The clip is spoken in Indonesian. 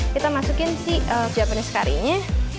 kita masukkan si japanese currynya